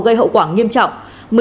gây hậu quả nghiêm trọng